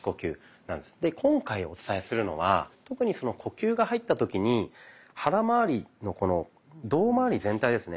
で今回お伝えするのは特に呼吸が入った時に腹まわり胴まわり全体ですね